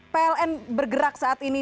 pln bergerak saat ini